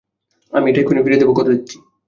আমি এটা এক্ষুনি ফিরিয়ে দেব, কথা দিচ্ছি।